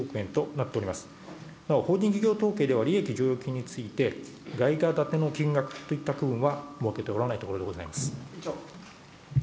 なお法人事業統計では、利益剰余金について、外貨建ての金額といった区分は設けておらないところでございます。